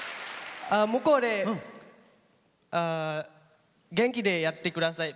向こうで元気でやってください。